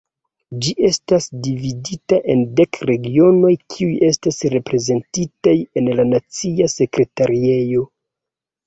Ĝi estas dividita en dek regionoj kiuj estas reprezentitaj en la nacia sekretariejo.